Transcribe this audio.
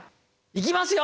いきますよ！